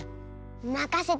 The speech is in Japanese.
まかせて！